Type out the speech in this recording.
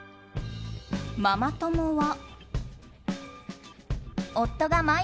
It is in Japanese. ママ友は。